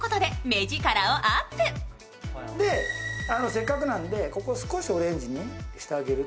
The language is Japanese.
せっかくなんで、ここ、少しオレンジにしてあげる。